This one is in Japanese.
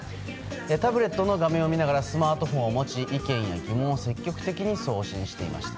タブレットの画面を見ながらスマートフォンを持ち意見や疑問を積極的に送信していました。